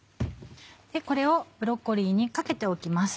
これをブロッコリーにかけておきます。